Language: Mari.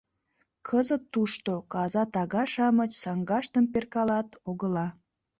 Кызыт тушто каза тага-шамыч саҥгаштым перкалат-огыла...